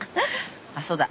あっそうだ。